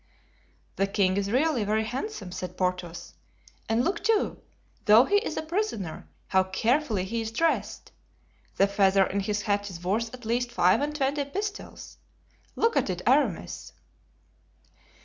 "The king is really very handsome," said Porthos; "and look, too, though he is a prisoner, how carefully he is dressed. The feather in his hat is worth at least five and twenty pistoles. Look at it, Aramis."